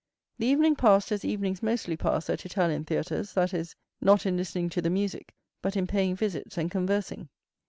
The evening passed as evenings mostly pass at Italian theatres; that is, not in listening to the music, but in paying visits and conversing.